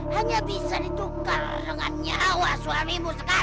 hanya bisa ditukar dengan nyawa suamimu sekarang